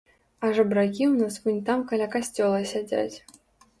А жабракі ў нас вунь там каля касцёла сядзяць.